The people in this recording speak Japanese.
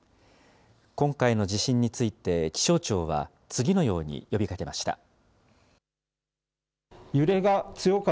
今回の地震について気象庁は次のように呼びかけました。